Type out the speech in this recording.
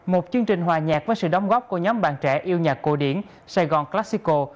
một chương trình hòa nhạc với sự đóng góp của nhóm bạn trẻ yêu nhạc cổ điển sài gòn classisco